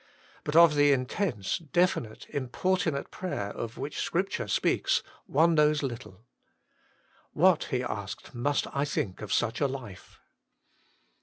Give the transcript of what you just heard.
But of the intense, definite, importunate prayer of which Scripture speaks one knows little." What, he asked, must I think of such a life